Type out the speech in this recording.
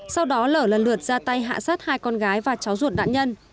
sau đó lở lần lượt ra tay hạ sát hai con gái và cháu ruột nạn nhân